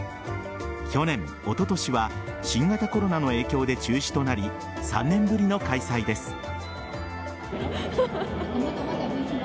去年、おととしは新型コロナの影響で中止となり３年ぶりの開催です。